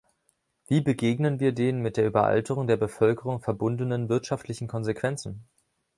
Wie begegnen wir den mit der Überalterung der Bevölkerung verbundenen wirtschaftlichen Konsequenzen?